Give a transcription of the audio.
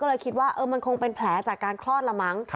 ก็เลยคิดว่ามันคงเป็นแผลจากการคลอดละมั้ง